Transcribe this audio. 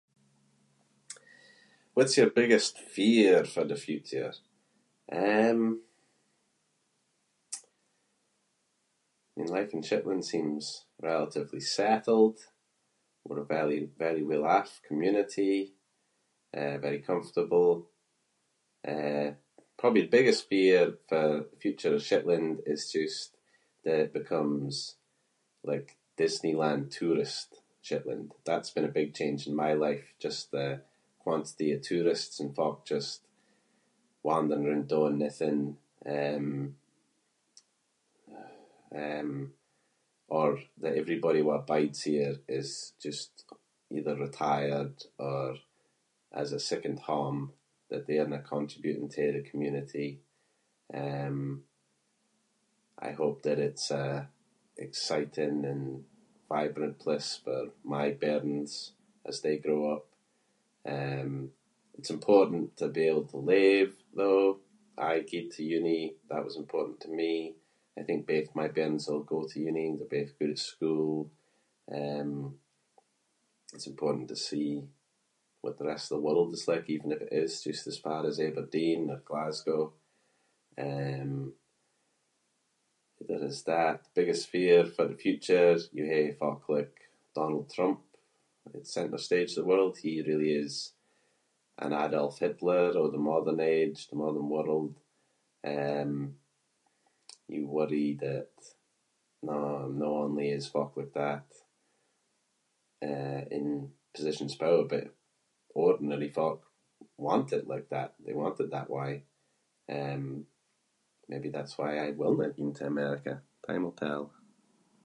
What’s your biggest fear for the future? Um, my life in Shetland seems relatively settled. We’re a very- very well-off community. Eh, very comfortable. Eh, probably the biggest fear for the future for Shetland is just that it becomes like Disneyland tourist Shetland. That’s been a big change in my life, just the- [inc] tourists and folk just wandering roond doing onything. Um- um or that everybody who bides here is just either retired or has a second home- that they arenae contributing to the community. Um, I hope that it’s a exciting and vibrant place for my bairns as they grow up. Um, it’s important to be able to leave, though. I gied to uni- that was important to me. I think both my bairns’ll go to uni and they’re both good at school. Um, it’s important to see what the rest of the world is like even if it is just as far as Aberdeen or Glasgow. Um, other as that biggest fear for the future you hae folk like Donald Trump at centre stage of the world. He really is an Adolf Hitler of the modern age- the modern world. Um, you worry that- no- no only is folk like that, eh, in positions of power but ordinary folk want it like that- they want it that way. Um, maybe that’s why I willnae ging to America. Time’ll tell.